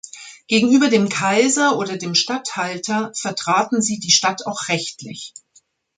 Gegenüber dem Kaiser oder dem Statthalter vertraten sie die Stadt auch rechtlich.